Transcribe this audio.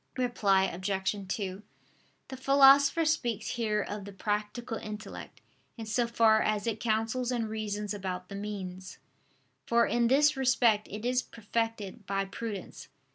Reply Obj. 2: The Philosopher speaks here of the practical intellect, in so far as it counsels and reasons about the means: for in this respect it is perfected by prudence.